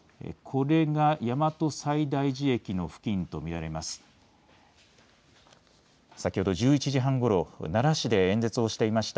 これが大和西大寺駅の付近と見られます。